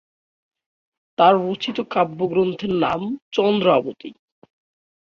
তার রচিত কাব্যগ্রন্থের নাম "চন্দ্রাবতী"।